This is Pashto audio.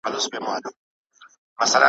ته به مي څرنګه د تللي قدم لار لټوې `